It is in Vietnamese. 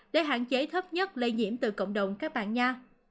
để hạn chế thấp nhất lây nhiễm từ cộng đồng các bạn